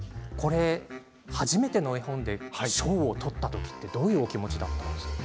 初めての絵本で賞を取った時はどういうお気持ちだったんですか。